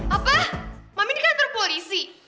apa mami di kantor polisi